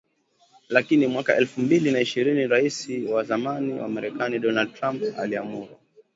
Lakini mwaka elfu mbili na ishirini Raisi wa zamani Marekani Donald Trump aliamuru